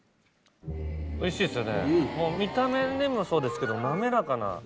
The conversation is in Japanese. もう見た目でもそうですけど滑らかな。